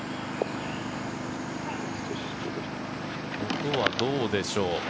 音はどうでしょう。